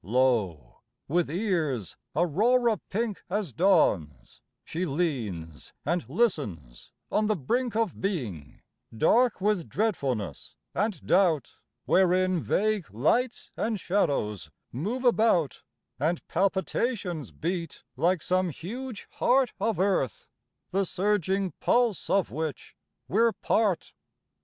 Lo! with ears aurora pink As Dawn's she leans and listens on the brink Of being, dark with dreadfulness and doubt, Wherein vague lights and shadows move about, And palpitations beat like some huge heart Of Earth the surging pulse of which we're part.